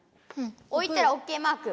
おいたらＯＫマーク